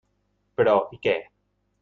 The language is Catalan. Però, i què?